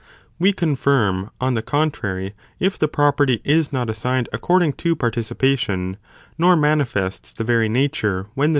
We confirm, on the con trary, if the property is not assigned according to participa tion, nor manifests the very nature when the.